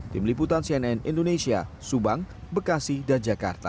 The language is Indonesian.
tim liputan cnn indonesia subang bekasi dan jakarta